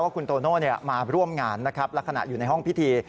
คุณโตโน่มาร่วมงานนะครับลักษณะอยู่ในห้องพิธี